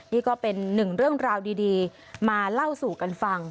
นี่ก็เป็นหนึ่งเรื่องราวดีมาเล่าสู่กันฟัง